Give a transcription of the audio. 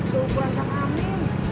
tungguan kang amin